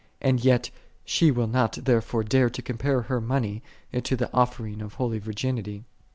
And yet she will not therefore dare to compare her money to the offering1 of holy virginity.